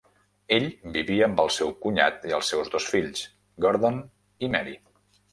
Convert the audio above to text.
Ell vivia amb el seu cunyat i els seus dos fills, Gordon i Mary.